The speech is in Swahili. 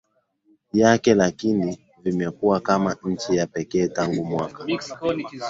Yake lakini vimekuwa kama nchi ya pekee tangu mwaka